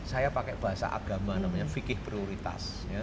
saya pakai bahasa agama namanya fikih prioritas